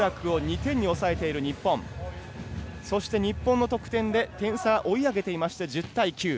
日本の得点で点差追い上げていまして１０対９。